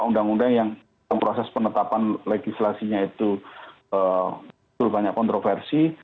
undang undang yang proses penetapan legislasinya itu banyak kontroversi